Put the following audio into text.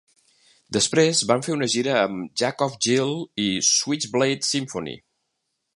Després van fer una gira amb Jack Off Jill i Switchblade Symphony.